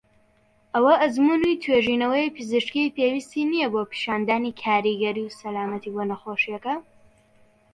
ئەوە ئەزموونی توێژینەوەی پزیشکی پێویستی نیە بۆ پیشاندانی کاریگەری و سەلامەتی بۆ نەخۆشیەکە.